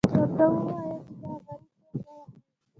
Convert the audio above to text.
ورته ووایه چې دا غریب نور مه وهئ.